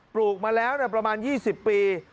ลูกมาแล้วประมาณ๒๐ปี